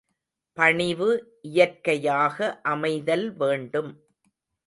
பணிவு இயற்கையாக அமைதல் வேண்டும்.